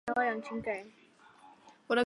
出生的幼虫是吃粪便中其他昆虫幼虫为生。